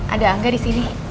ada angga di sini